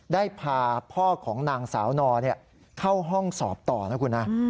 ได้พาพ่อของนางสาวนอเข้าห้องสอบต่อนะคุณนะ